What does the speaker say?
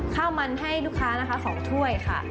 ข้าวมันให้ลูกค้านะคะ๒ถ้วยค่ะ